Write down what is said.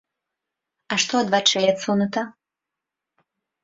А што ад вачэй адсунута?